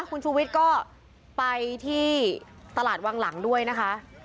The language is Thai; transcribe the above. คุณชูวิทย์ก็ไปที่ตลาดวังหลังด้วยนะคะ